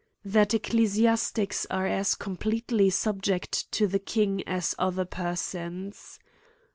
That ecclesiastics are as completely sub ject to the king, as other persons.